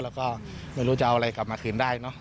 แล้วก็ไม่รู้จะเอาอะไรกลับมาคืนได้เนอะ